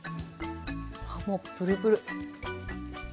あもうプルプル。